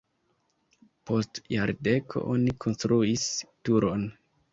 Post jardeko oni konstruis turon.